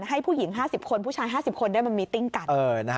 ให้ผู้หญิง๕๐คนผู้ชาย๕๐คนได้มันมีติ้งกัน